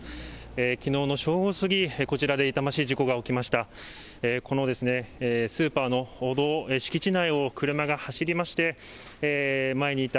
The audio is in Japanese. きのうの正午過ぎ、こちらで痛ましい事故が起きました。